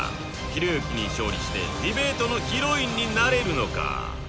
ひろゆきに勝利してディベートのヒロインになれるのか？